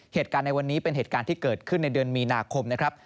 เหตุการณ์ในวันนี้เป็นเหตุการณ์ที่เกิดขึ้นในเดือนมีนาคมนะครับ